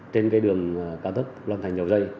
trên đường cao thấp lâm thành dầu dây